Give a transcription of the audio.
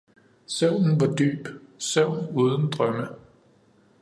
Søvnen var dyb, søvn uden drømme